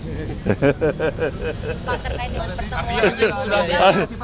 pak terkait dengan pertemuan